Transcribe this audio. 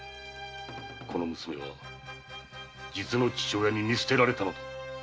この娘は実の父親に見捨てられたのだ。